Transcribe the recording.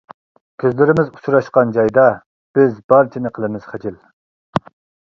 كۆزلىرىمىز ئۇچراشقان جايدا، بىز بارچىنى قىلىمىز خىجىل.